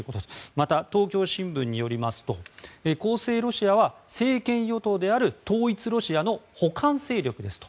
また、東京新聞によりますと公正ロシアは、政権与党である統一ロシアの補完勢力ですと。